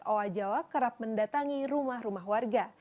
owa jawa kerap mendatangi rumah rumah warga